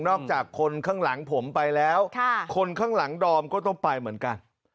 จากคนข้างหลังผมไปแล้วคนข้างหลังดอมก็ต้องไปเหมือนกัน